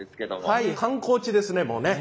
はい観光地ですねもうね。